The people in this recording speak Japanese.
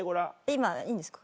今いいんですか？